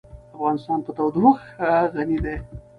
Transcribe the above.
افغانستان په تودوخه غني دی.